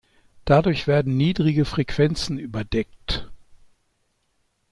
Dadurch werden niedrige Frequenzen überdeckt.